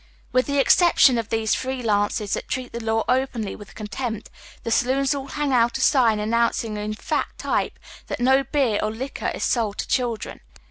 With the exception of these free iances that treat the law openly with contempt, the saloons all hang out a sign announcing in fat type that no beer or liquor is sold to children.